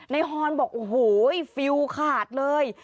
นายฮอร์นบอกโอ้โหฟิวขาดเลย